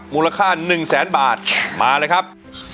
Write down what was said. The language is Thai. มูลค่า๑แสนบาทมาเลยครับ